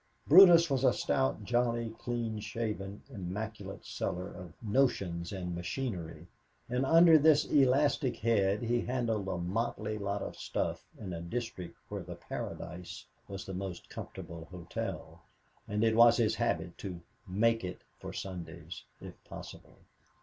Brutus was a stout, jolly, clean shaven, immaculate seller of "notions and machinery," and under this elastic head he handled a motley lot of stuff in a district where the Paradise was the most comfortable hotel; and it was his habit to "make it" for Sundays if possible.